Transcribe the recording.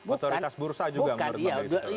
otoritas bursa juga menurut pak barista